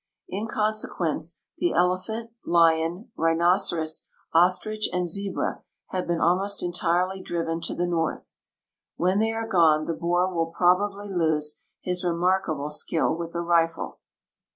In consequence, the elephant, lion, rhinoceros, ostrich, and zebra have been almost entirely driven to the north. Mdien they are gone the Boer will probably lose his remarkable skill with the rifle.